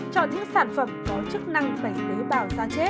chọn những sản phẩm có chức năng tẩy bế bào da chết